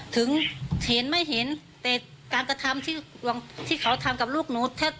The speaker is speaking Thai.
ถึงเห็นไม่เห็นแต่การกระทำที่เขาทำกับลูกหนู